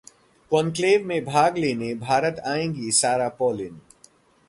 conclave में भाग लेने भारत आएंगी सारा पॉलिन